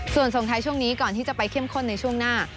ส่วนส่งท้ายช่วงนี้ก่อนที่จะไปเข้มข้นในช่วงหน้า